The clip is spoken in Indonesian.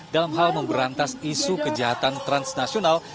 dalam hal memberantas isu kejahatan transnasional